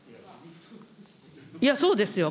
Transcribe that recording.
いや、そうですよ。